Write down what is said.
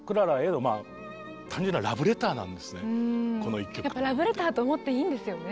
彼にとってはそのラブレターと思っていいんですよね。